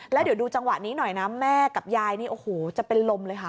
ไปเข้าบ้าน